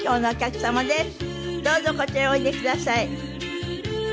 どうぞこちらへおいでください。